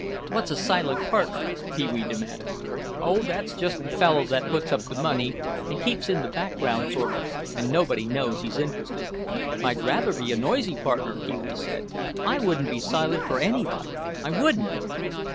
"What's a silent partner?" Pee wee demanded. "Oh, that's just the fellow that puts up the money and keeps in the background sort of, and nobody knows he's interested." "I'd rather be a noisy partner," Pee wee said. "I wouldn't be silent for anybody, I wouldn't."